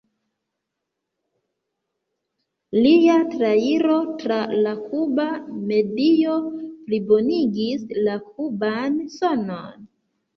Lia trairo tra la kuba medio plibonigis la kuban sonon.